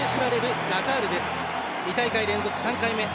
２大会連続３回目。